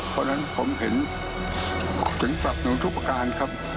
เพราะฉะนั้นผมเห็นสับหนุนทุกประการครับ